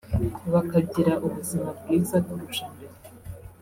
bakagira ubuzima bwiza kurusha mbere